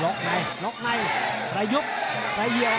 รอกไว้รอกไว้ระยุกต์เหลง